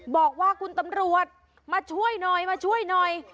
บอกว่าคุณตำรวจมาช่วยหน่อยมาช่วยหน่อย